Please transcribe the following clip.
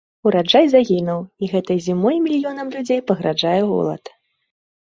Ўраджай загінуў, і гэтай зімой мільёнам людзей пагражае голад.